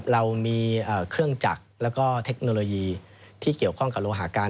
เรามีเครื่องจักรแล้วก็เทคโนโลยีที่เกี่ยวข้องกับโลหาการ